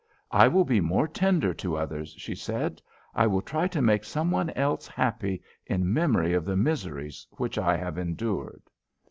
"I will be more tender to others," she said. "I will try to make some one else happy in memory of the miseries which I have endured."